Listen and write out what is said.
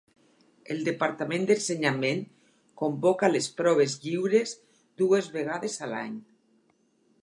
El Departament d'Ensenyament convoca les proves lliures dues vegades a l'any.